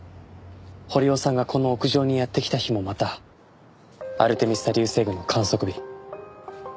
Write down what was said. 堀尾さんがこの屋上にやって来た日もまたアルテミス座流星群の観測日。